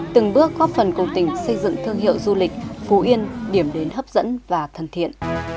từng bước góp phần cùng tỉnh xây dựng thương hiệu du lịch phú yên điểm đến hấp dẫn và thân thiện